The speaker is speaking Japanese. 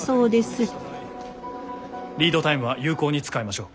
リードタイムは有効に使いましょう。